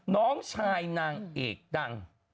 น้องชายนางเอกดัง